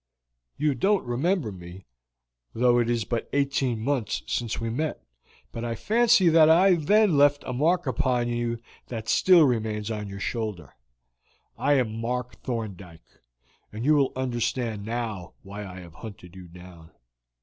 You don't remember me, though it is but eighteen months since we met; but I fancy that I then left a mark upon you that still remains on your shoulder. I am Mark Thorndyke, and you will understand now why I have hunted you down."